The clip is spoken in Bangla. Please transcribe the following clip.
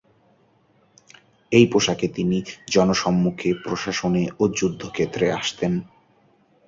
এই পোশাকে তিনি জনসম্মুখে, প্রশাসনে ও যুদ্ধক্ষেত্রে আসতেন।